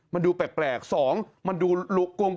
๑มันดูแปลก๒มันดูหลุกกวง